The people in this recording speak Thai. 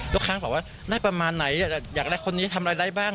ลูกค้าบอกว่าได้ประมาณไหนอยากได้คนนี้ทำอะไรได้บ้าง